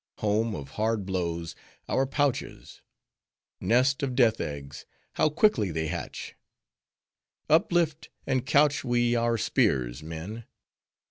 Home of hard blows, our pouches! Nest of death eggs! How quickly they hatch! Uplift, and couch we our spears, men!